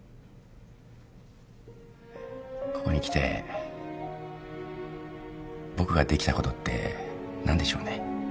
ここに来て僕ができたことって何でしょうね。